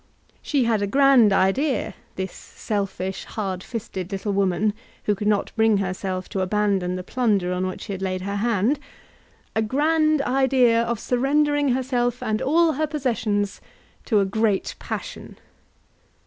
She had a grand idea, this selfish, hard fisted little woman, who could not bring herself to abandon the plunder on which she had laid her hand, a grand idea of surrendering herself and all her possessions to a great passion.